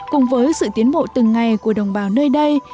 cùng với sự tiến bộ từng ngày của đồng bào nơi đây